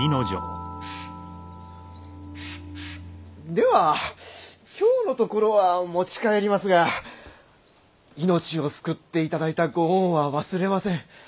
では今日のところは持ち帰りますが命を救っていただいたご恩は忘れません。